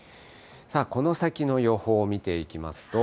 この先の予報を見ていきますと。